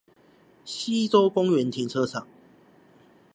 溪洲公園停車場